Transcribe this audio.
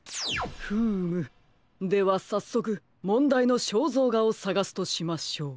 フームではさっそくもんだいのしょうぞうがをさがすとしましょう。